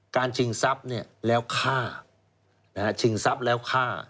การชิงทรัพย์เนี่ยแล้วฆ่านะฮะชิงทรัพย์แล้วฆ่า